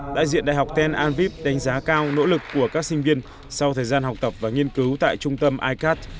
đại diện đại học ten anviv đánh giá cao nỗ lực của các sinh viên sau thời gian học tập và nghiên cứu tại trung tâm icat